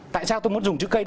tại sao tôi muốn dùng chữ cây